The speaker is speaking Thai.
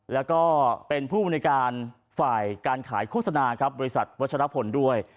แล้วก็เป็นผู้บริการฝ่ายการขายโฆษณาครับบริษัทวัชรพลด้วย